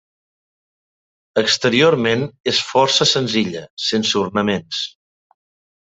Exteriorment és força senzilla, sense ornaments.